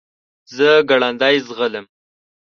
زه ګړندی ځغلم .